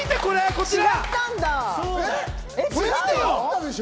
こちら。